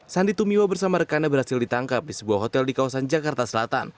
sandi tumiwa bersama rekannya berhasil ditangkap di sebuah hotel di kawasan jakarta selatan